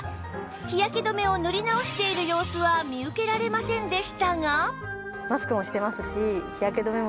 日焼け止めを塗り直している様子は見受けられませんでしたが